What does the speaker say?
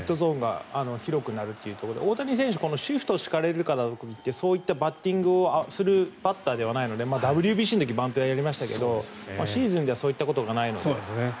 ヒットゾーンが広くなるということで、大谷さんシフトを敷かれるからってそういったバッティングをするバッターではないのでＷＢＣの時はバントをやりましたがシーズンではそういうことがないので。